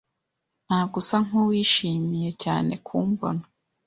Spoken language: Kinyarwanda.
Ntabwo usa nkuwishimiye cyane kumbona.